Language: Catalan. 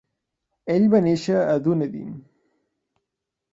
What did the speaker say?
Ell va néixer a Dunedin.